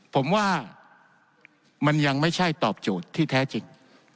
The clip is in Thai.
ผมว่ามันยังไม่ใช่ตอบโจทย์ที่แท้จริง